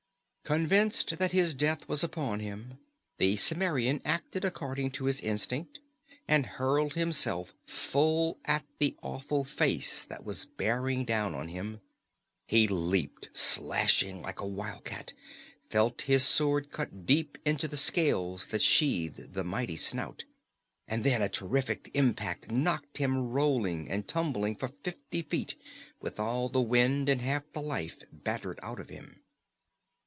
Convinced that his death was upon him, the Cimmerian acted according to his instinct, and hurled himself full at the awful face that was bearing down on him. He leaped, slashing like a wildcat, felt his sword cut deep into the scales that sheathed the mighty snout and then a terrific impact knocked him rolling and tumbling for fifty feet with all the wind and half the life battered out of him.